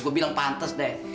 gua bilang pantes deh